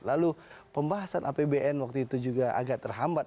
lalu pembahasan apbn waktu itu juga agak terhambat